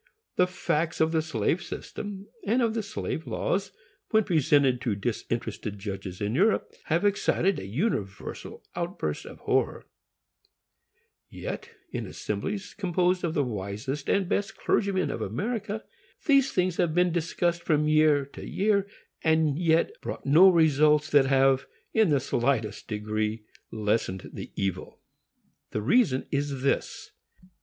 The facts of the slave system and of the slave laws, when presented to disinterested judges in Europe, have excited a universal outburst of horror; yet, in assemblies composed of the wisest and best clergymen of America, these things have been discussed from year to year, and yet brought no results that have, in the slightest degree, lessened the evil. The reason is this.